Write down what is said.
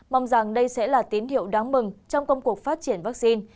mong rằng đây sẽ là tín hiệu đáng mừng trong công cuộc phát triển vắc xin